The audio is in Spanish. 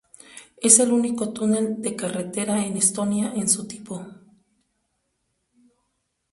Es el único túnel de carretera en Estonia en su tipo.